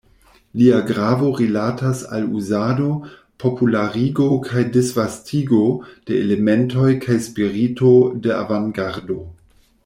Lia gravo rilatas al uzado, popularigo kaj disvastigo de elementoj kaj spirito de avangardo.